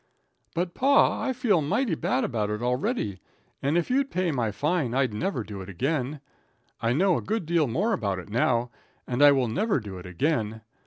"But, pa, I feel mighty bad about it already, and if you'd pay my fine I'd never do it again. I know a good deal more about it now, and I will never do it again.